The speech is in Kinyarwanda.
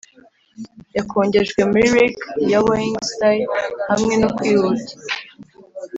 yakongejwe muri reek ya wying sty hamwe no kwihuta